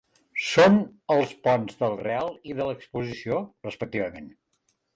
Són els ponts del Real i de l'Exposició, respectivament.